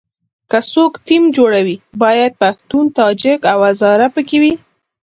که څوک ټیم جوړوي باید پښتون، تاجک او هزاره په کې وي.